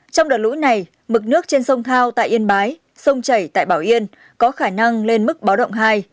trong đợt lũ này mực nước trên sông thao tại yên bái sông chảy tại bảo yên có khả năng lên mức báo động hai